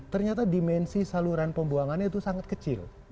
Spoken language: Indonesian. ternyata dimensi saluran pembuangannya itu sangat kecil